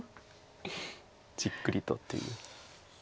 じっくりとっていう。